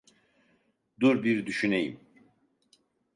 Dur bir düşüneyim.